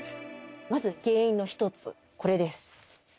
まず原因の１つこれです。